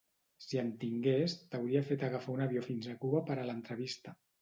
Si en tingués, t'hauria fet agafar un avió fins a Cuba per a l'entrevista.